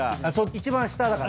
一番下だから。